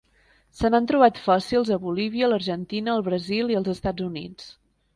Se n'han trobat fòssils a Bolívia, l'Argentina, el Brasil i els Estats Units.